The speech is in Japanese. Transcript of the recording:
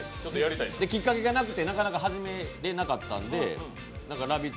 きっかけがなくて、なかなか始められなかったんで「ラヴィット！」